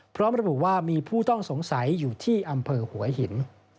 พร้อมระบุว่ามีผู้ต้องสงสัยอยู่ที่อำเภอหัวหิน